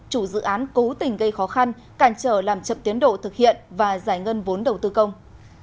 chủ dự án cố tình gây khó khăn cản trở làm chậm tiến độ thực hiện và giải ngân vốn đầu tư công